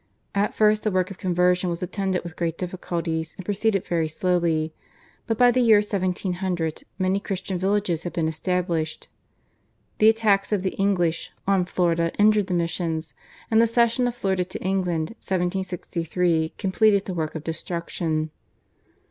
At first the work of conversion was attended with great difficulties and proceeded very slowly, but by the year 1700 many Christian villages had been established. The attacks of the English on Florida injured the missions, and the cession of Florida to England (1763) completed the work of destruction.